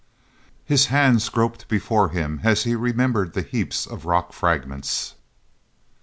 His hands groped before him as he remembered the heaps of rock fragments.